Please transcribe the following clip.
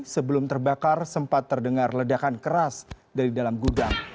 sebelum terbakar sempat terdengar ledakan keras dari dalam gudang